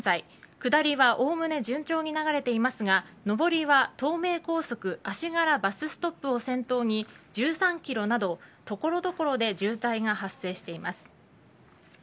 下りはおおむね順調に流れていますが上りは東名高速足柄バスストップを先頭に１３ｋｍなど所々で渋滞が発生しています。